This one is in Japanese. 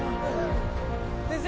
先生